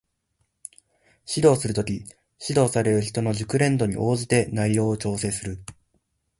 指導する時、指導される人の熟練度に応じて内容を調整する